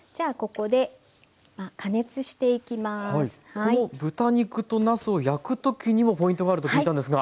この豚肉となすを焼く時にもポイントがあると聞いたんですが。